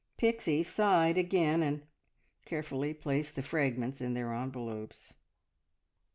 Pixie sighed again and carefully replaced the fragments in their envelopes.